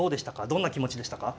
どんな気持ちでしたか。